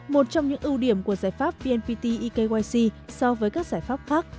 một trong những ưu điểm của giải pháp vnpt ekyc so với các giải pháp khác